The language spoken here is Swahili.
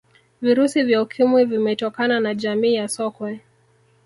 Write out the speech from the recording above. virusi vya ukimwi vimetokana na jamii ya sokwe